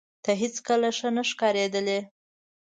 ته هیڅکله ښه نه ښکارېدلې